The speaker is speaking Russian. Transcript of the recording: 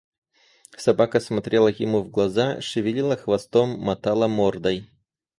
Собака смотрела ему в глаза, шевелила хвостом, мотала мордой.